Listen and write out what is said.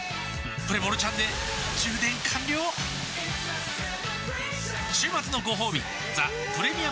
プレモルちゃんで充電完了週末のごほうび「ザ・プレミアム・モルツ」